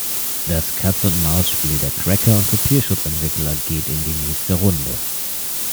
Das Katz-und-Maus-Spiel der Cracker und Kopierschutzentwickler geht in die nächste Runde.